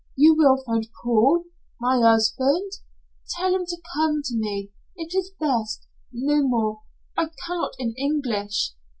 You will find Paul, my 'usband. Tell him to come to me it is best no more, I cannot in English."